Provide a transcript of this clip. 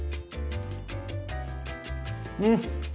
うん！